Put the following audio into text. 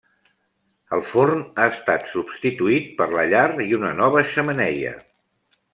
El forn ha estat substituït per la llar i una nova xemeneia.